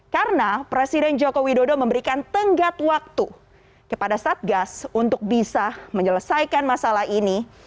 karena presiden jokowi dodo memberikan tenggat waktu kepada satgas untuk bisa menyelesaikan masalah ini